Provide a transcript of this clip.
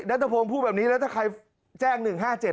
พงศ์พูดแบบนี้แล้วถ้าใครแจ้ง๑๕๗